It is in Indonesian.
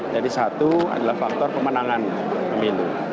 jadi satu adalah faktor pemenangan pemilih